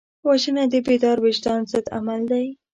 وژنه د بیدار وجدان ضد عمل دی